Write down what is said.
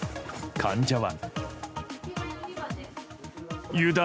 患者は。